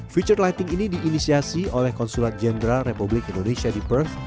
future lighting ini diinisiasi oleh konsulat jenderal republik indonesia di perf